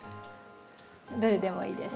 どれでもいいです。